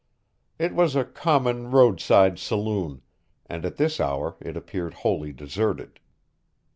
It was a common roadside saloon, and at this hour it appeared wholly deserted.